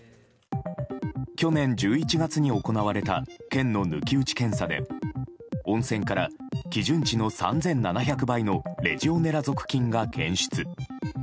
去年１１月に行われた県の抜き打ち検査で温泉から、基準値の３７００倍のレジオネラ属菌が検出。